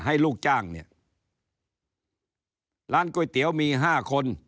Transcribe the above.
ลูกจ้างเนี่ยร้านก๋วยเตี๋ยวมีห้าคน